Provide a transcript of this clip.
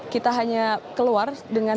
kita hanya keluar